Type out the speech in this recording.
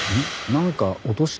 なんか落とした？